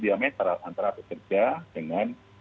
diametra antara bekerja dengan